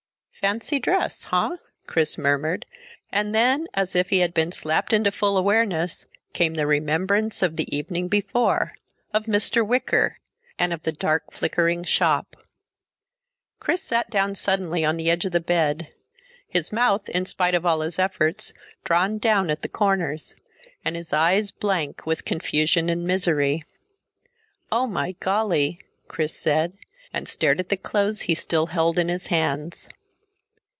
"Fancy dress, huh?" Chris murmured, and then, as if he had been slapped into full awareness, came the remembrance of the evening before, of Mr. Wicker, and of the dark flickering shop. Chris sat down suddenly on the edge of the bed, his mouth, in spite of all his efforts, drawn down at the corners, and his eyes blank with confusion and misery. "Oh my golly!" Chris said, and stared at the clothes he still held in his hands.